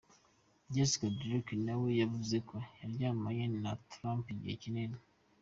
Jessica Drake nawe yavuze ko yaryamanye na Trump igihe kinini.